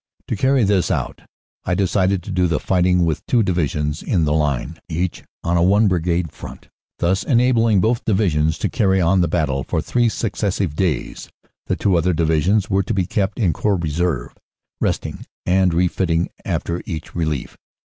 "To carry this out, I decided to do the fighting with two Divisions in the line, each on a one brigade front, thus enabling both divisions to carry on the battle for three successive days ; the two other Divisions were to be kept in Corps Reserve, rest ing and refitting after each relief.